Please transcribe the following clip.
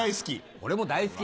俺も大好きだ